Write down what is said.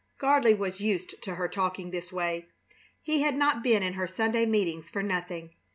Gardley was used to her talking this way. He had not been in her Sunday meetings for nothing.